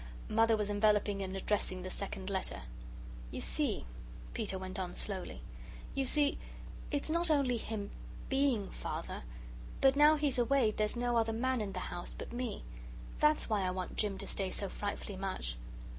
Mother was enveloping and addressing the second letter. "You see," Peter went on slowly, "you see, it's not only him BEING Father, but now he's away there's no other man in the house but me that's why I want Jim to stay so frightfully much.